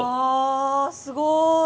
あすごい！